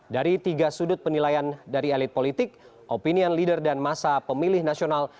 dari tiga sudut penilaian dari elit politik opinion leader dan masa pemilih nasional